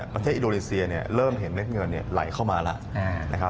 ประเทศอิโดรีเซียเริ่มเห็นเม็ดเงินไหลเข้ามาล่ะ